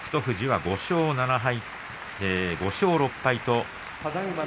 富士は５勝７敗、失礼５勝６敗。